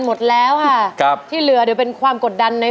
โปรดติดตามต่อไป